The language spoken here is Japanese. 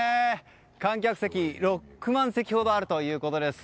観客席６万席ほどあるということです。